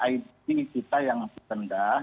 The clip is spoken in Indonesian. it kita yang rendah